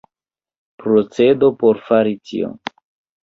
Procedo por fari tion.